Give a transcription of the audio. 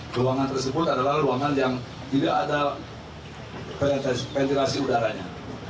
ruangan tersebut adalah ruangan yang tidak ada ventilasi udaranya